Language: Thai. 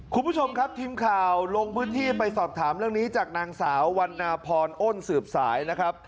คุณผู้ชมครับทีมข่าวลงพื้นที่ไปสอบถามเรื่องนี้จากนางสาววันนาพรอ้นสืบสายนะครับ